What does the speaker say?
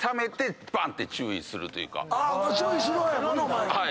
注意する派やもんなお前は。